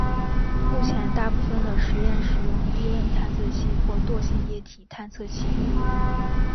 目前大部分的实验使用低温探测器或惰性液体探测器。